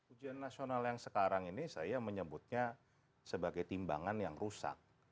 ujian nasional yang sekarang ini saya menyebutnya sebagai timbangan yang rusak